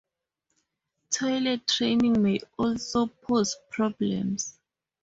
Toilet training may also pose problems.